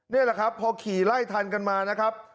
นี่แหละครับพอขี่ไล่ทันกันมานะครับ